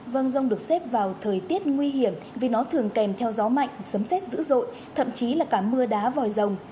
vâng rông được xếp vào thời tiết nguy hiểm vì nó thường kèm theo gió mạnh sấm xét dữ dội thậm chí là cả mưa đá vòi rồng